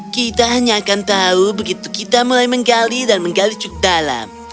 kita hanya akan tahu begitu kita mulai menggali dan menggali cukup dalam